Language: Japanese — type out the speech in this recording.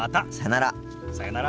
さようなら。